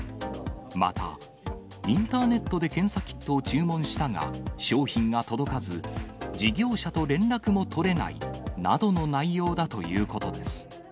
また、インターネットで検査キットを注文したが、商品が届かず、事業者と連絡も取れないなどの内容だということです。